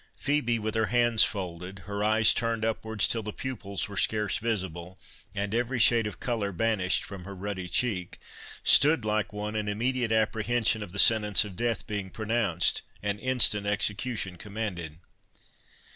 Phœbe, with her hands folded, her eyes turned upwards till the pupils were scarce visible, and every shade of colour banished from her ruddy cheek, stood like one in immediate apprehension of the sentence of death being pronounced, and instant execution commanded.